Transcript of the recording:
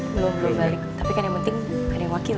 belum belum balik tapi kan yang penting ada yang wakil ya bu